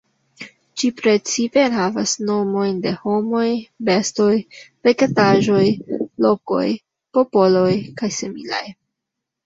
Ĝi precipe enhavas nomojn de homoj, bestoj, vegetaĵoj, lokoj, popoloj kaj similaj.